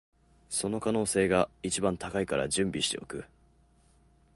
その可能性が一番高いから準備しておく